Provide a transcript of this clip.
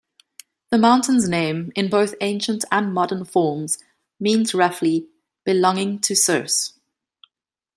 The mountain's name, in both ancient and modern forms, means roughly, "belonging to Circe".